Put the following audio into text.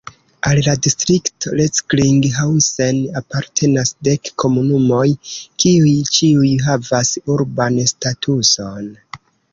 Al la distrikto Recklinghausen apartenas dek komunumoj, kiuj ĉiuj havas urban statuson.